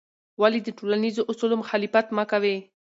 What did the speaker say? ولې د ټولنیزو اصولو مخالفت مه کوې؟